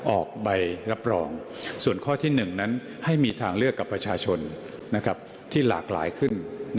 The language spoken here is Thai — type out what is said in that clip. ออกใบรับรองส่วนข้อที่๑นั้นให้มีทางเลือกกับประชาชนที่หลากหลายขึ้น